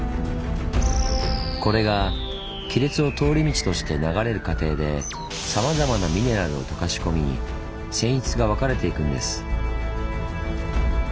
これが亀裂を通り道として流れる過程でさまざまなミネラルを溶かし込み泉質が分かれていくんです。